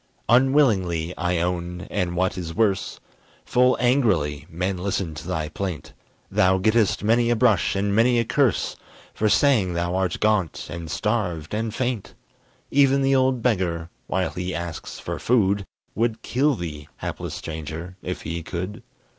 Unwillingly, I own, and, what is worse, Full angrily, men listen to thy plaint; Thou gettest many a brush and many a curse, For saying thou art gaunt, and starved, and faint. Even the old beggar, while he asks for food, Would kill thee, hapless stranger, if he could.